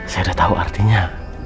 saya udah tau artinya